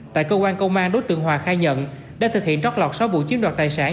tại cơ quan công an đối tượng hòa khai nhận đã thực hiện trót lọt sáu vụ chiếm đoạt tài sản